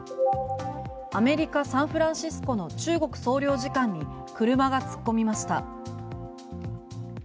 アメリカ・サンフランシスコの中国総領事館に車が突っ込みました。